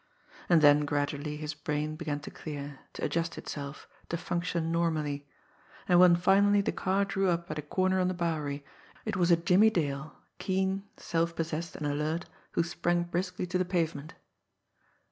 And then gradually his brain began to clear, to adjust itself, to function normally; and when finally the car drew up at a corner on the Bowery, it was a Jimmie Dale, keen, self possessed and alert, who sprang briskly to the pavement.